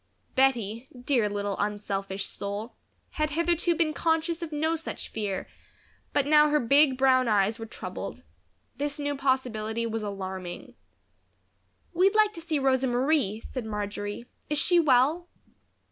Bettie, dear little unselfish soul, had hitherto been conscious of no such fear, but now her big brown eyes were troubled. This new possibility was alarming. "We'd like to see Rosa Marie," said Marjory. "Is she well?"